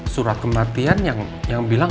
surat kematian yang bilang